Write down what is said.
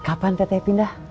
kapan teh teh pindah